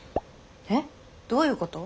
えっ！？どういうこと？